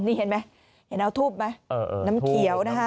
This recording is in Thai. นี่เห็นไหมเอาถูบไหมน้ำเขียว